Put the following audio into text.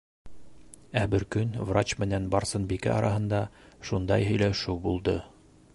Ә бер көн врач менән Барсынбикә араһында шундай һөйләшеү булды.